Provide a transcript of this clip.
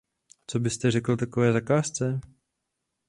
Co byste řekl takové zakázce?